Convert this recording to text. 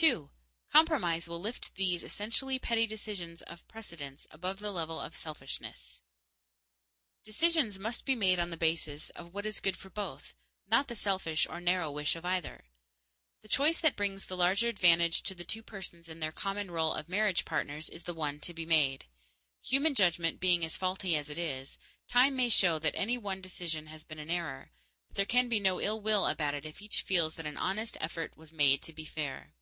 2. Compromise will lift these essentially petty decisions of precedence above the level of selfishness. Decisions must be made on the basis of what is good for both, not the selfish or narrow wish of either. The choice that brings the larger advantage to the two persons in their common role of marriage partners is the one to be made. Human judgment being as faulty as it is, time may show that any one decision has been an error, but there can be no ill will about it if each feels that an honest effort was made to be fair.